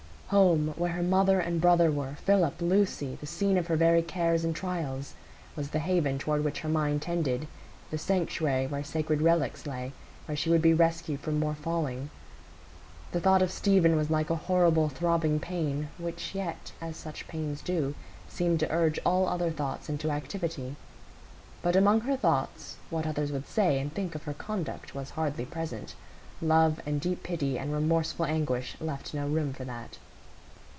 Home—where her mother and brother were, Philip, Lucy, the scene of her very cares and trials—was the haven toward which her mind tended; the sanctuary where sacred relics lay, where she would be rescued from more falling. The thought of Stephen was like a horrible throbbing pain, which yet, as such pains do, seemed to urge all other thoughts into activity. But among her thoughts, what others would say and think of her conduct was hardly present. Love and deep pity and remorseful anguish left no room for that.